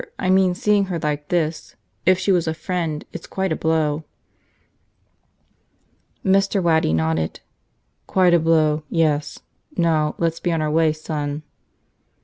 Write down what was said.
I mean, seeing her like this, if she was a friend, it's quite a blow." Mr. Waddy nodded. "Quite a blow. Yes. Now let's be on our way, son."